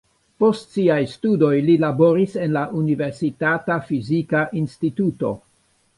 Post siaj studoj li laboris en la universitata fizika instituto.